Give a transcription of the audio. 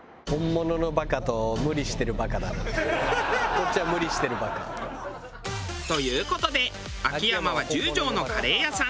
こっちは無理してるバカ。という事で秋山は十条のカレー屋さん